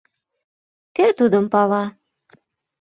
Кӧ тудым пала